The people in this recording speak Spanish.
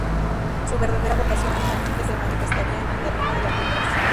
Su verdadera vocación finalmente se manifestaría en el terreno de las Letras.